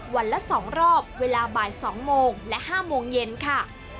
วันละ๒รอบเวลาบ่าย๒โมงและ๕โมงเย็นค่ะ